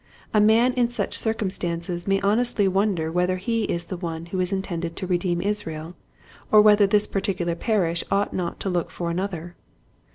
A man in such circumstances may honestly wonder whether he is the one who is intended to redeem Israel or whether this particular parish ought not to look for another.